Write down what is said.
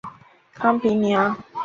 康皮尼昂。